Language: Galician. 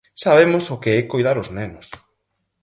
Sabemos o que é coidar os nenos.